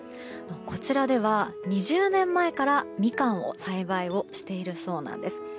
こちらでは、２０年前からみかんの栽培をしているそうなんです。